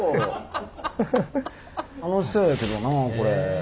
楽しそうやけどなあこれ。